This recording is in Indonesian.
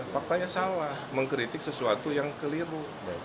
faktanya salah mengkritik sesuatu yang keliru